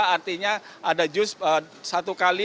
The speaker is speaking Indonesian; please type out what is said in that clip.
artinya ada jus satu kali